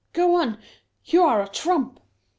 " Go on ; you are a trump !